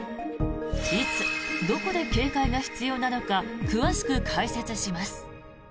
いつ、どこで警戒が必要なのか詳しく解説します。